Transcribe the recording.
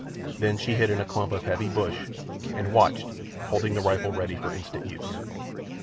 Then she hid in a clump of heavy bush and watched, holding the rifle ready for instant use.